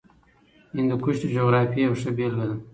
هندوکش د جغرافیې یوه ښه بېلګه ده.